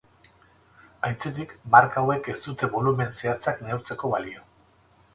Aitzitik, marka hauek ez dute bolumen zehatzak neurtzeko balio.